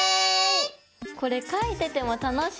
これ書いてても楽しいね。